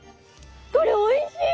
これおいしい！